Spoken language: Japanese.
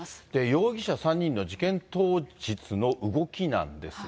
容疑者３人の事件当日の動きなんですが。